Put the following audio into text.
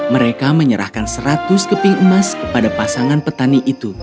mereka menyerahkan seratus keping emas kepada pasangan petani itu